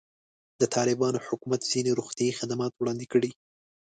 د طالبانو حکومت ځینې روغتیایي خدمات وړاندې کړي.